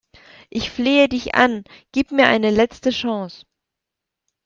Ich flehe dich an, gib mir eine letzte Chance!